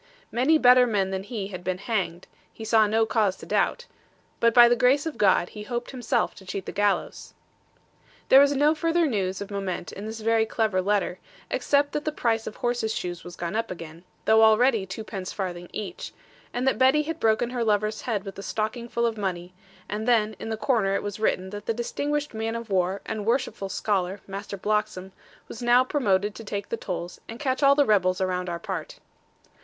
Many better men than he had been hanged, he saw no cause to doubt; but by the grace of God he hoped himself to cheat the gallows. There was no further news of moment in this very clever letter, except that the price of horses' shoes was gone up again, though already twopence farthing each; and that Betty had broken her lover's head with the stocking full of money; and then in the corner it was written that the distinguished man of war, and worshipful scholar, Master Bloxham, was now promoted to take the tolls, and catch all the rebels around our part.